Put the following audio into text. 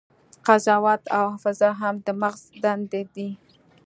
قضاوت او حافظه هم د مغز دندې دي.